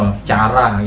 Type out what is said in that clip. bukan juga cara